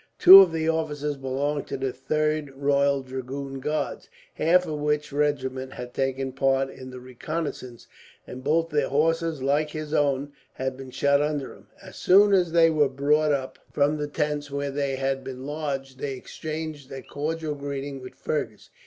Two of the officers belonged to the 3rd Royal Dragoon Guards, half of which regiment had taken part in the reconnaissance; and both their horses, like his own, had been shot under them. As soon as they were brought up from the tents where they had been lodged, they exchanged a cordial greeting with Fergus.